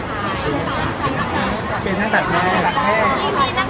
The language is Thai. หน้าตอนนั้นคือตามเห็นผมสุขทิศทีใครเลยนะคะ